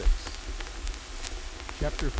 CHAPTER V.